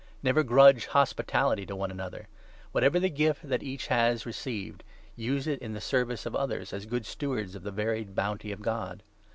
Never grudge hospitality to one 9 another. Whatever the gift that each has received, use it in 10 the service of others, as good stewards of the varied bounty of God.